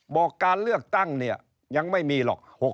บอกการเลือกตั้งเนี่ยยังไม่มีหรอก